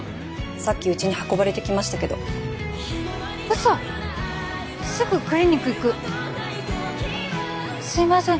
さっきうちに運ばれてきましたけどウソすぐクリニック行くすいません